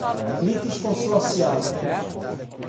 litisconsorcial